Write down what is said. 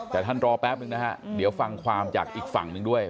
แต่ท่านรอแป๊บนึงนะฮะเดี๋ยวฟังความจากอีกฝั่งหนึ่งด้วย